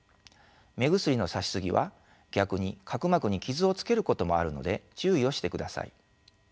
目薬のさし過ぎは逆に角膜に傷をつけることもあるので注意をしてください。